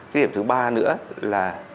cái điểm thứ ba nữa là